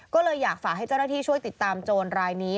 ก็เลยอยากฝากให้เจ้าหน้าที่ช่วยติดตามโจรรายนี้